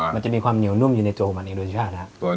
มันจะมีความเหนียวนุ่มอยู่ในโจหร์ผัดเอกโดยชาติฮะ